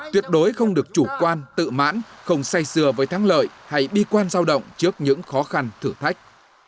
tuyệt đối không được chủ quan tự mãn không say sưa với thắng lợi hay bi quan giao động trước những khó khăn thử thách